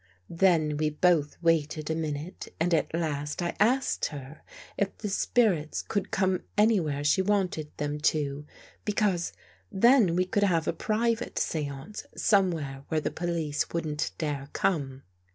" Then we both waited a minute and at last I asked her if the spirits would come anywhere she wanted them too, because then we could have a pri vate seance somewhere where the police wouldn't dare come.